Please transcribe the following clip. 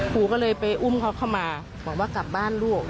ครูก็เลยไปอุ้มเขาเข้ามาบอกว่ากลับบ้านลูก